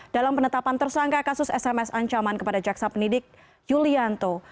dalam penetapan tersangka kasus sms ancaman kepada jaksa pendidik yulianto